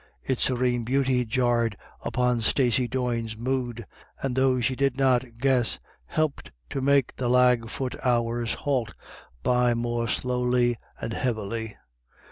Its serene beauty jarred upon Stacey Doyne's mood, and, though she did not guess, helped to make the lag foot hours halt by more slowly and heavily.